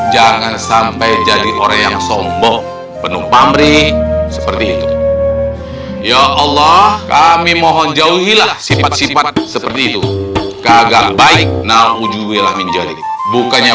ya allah kami mohon jauhilah sifat sifat seperti itu kagak baik nah ujuwilah minjalik bukannya